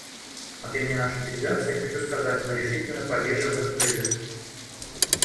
От имени нашей делегации хочу сказать: мы решительно поддерживаем этот призыв.